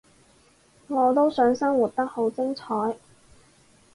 我都想生活得好精彩